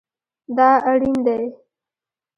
دا اړین دی